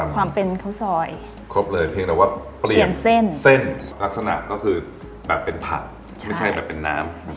ก็คือแบบเป็นผักไม่ใช่แบบเป็นน้ำ